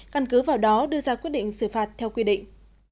căn cứ vào đó đưa ra quyết định xử phạt theo quy định